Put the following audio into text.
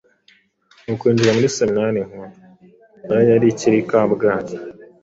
nuko yinjira muri Seminari nkuru, nayo yari ikiri i Kabgayi.